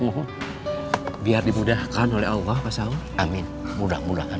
mudah mudahan pak saul